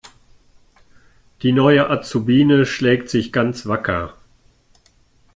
Die neue Azubine schlägt sich ganz wacker.